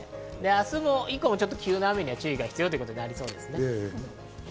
明日以降も急な雨には注意が必要ということです。